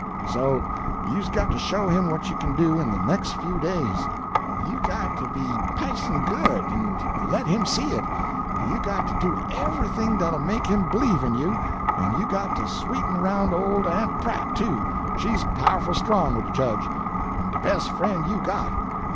So you's got to show him what you kin do in de nex' few days. You's got to be pison good, en let him see it; you got to do everything dat'll make him b'lieve in you, en you got to sweeten aroun' ole Aunt Pratt, too, she's pow'ful strong wid de Jedge, en de bes' frien' you got.